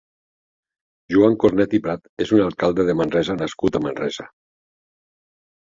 Joan Cornet i Prat és un alcalde de Manresa nascut a Manresa.